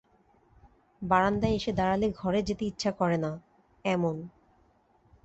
বারান্দায় এসে দাঁড়ালে ঘরে যেতে ইচ্ছা করে না- এমন।